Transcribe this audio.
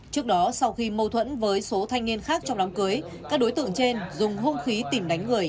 trước đó sau khi mâu thuẫn với số thanh niên khác trong đám cưới các đối tượng trên dùng hôn khí tìm đánh người